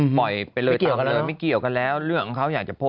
ปล่อยไปเล่าเล่ากันแล้ว